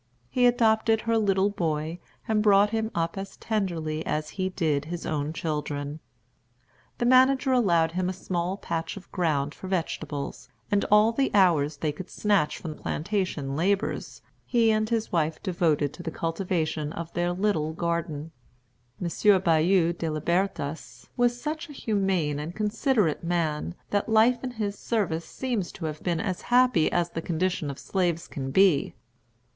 He adopted her little boy, and brought him up as tenderly as he did his own children. The Manager allowed him a small patch of ground for vegetables, and all the hours they could snatch from plantation labors he and his wife devoted to the cultivation of their little garden. M. Bayou de Libertas was such a humane and considerate man that life in his service seems to have been as happy as the condition of slaves can be.